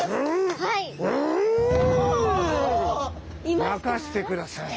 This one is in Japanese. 任してください！